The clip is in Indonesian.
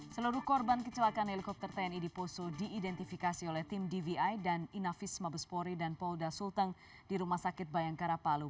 seluruh korban kecelakaan helikopter tni di poso diidentifikasi oleh tim dvi dan inafis mabespori dan polda sulteng di rumah sakit bayangkara palu